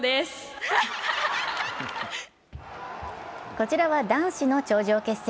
こちらは男子の頂上決戦。